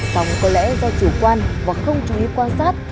xong có lẽ do chủ quan và không chú ý quan sát